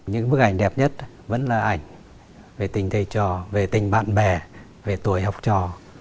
những bức ảnh đẹp nhất vẫn là ảnh về tình thầy trò về tình bạn bè về tuổi học trò